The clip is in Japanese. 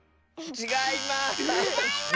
ちがいます！